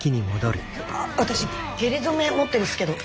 私下痢止め持ってるっすけど。